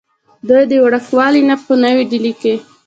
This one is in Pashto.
دوي د وړوکوالي نه پۀ نوي ډيلي کښې